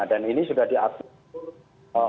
dan ini sudah diaktifkan